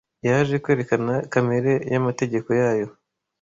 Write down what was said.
Yaje kwerekana kamere y’amategeko yayo